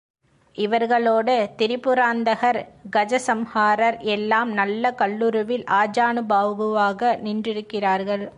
இவர்களோடு திரிபுராந்தகர், கஜசம்ஹாரர் எல்லாம் நல்ல கல்லுருவில் ஆஜானுபாகுவாக நின்றிருக்கிறார்கள்.